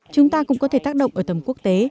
chúng ta cũng có thể tác động ở tầm quốc tế